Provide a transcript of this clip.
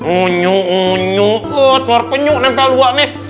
unyu unyu keluar penyu nempel dua nih